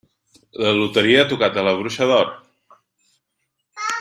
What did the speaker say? La loteria ha tocat a La bruixa d'or?